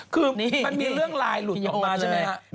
คือมันมีเรื่องลายหลุดออกมาใช่ไหมฮะ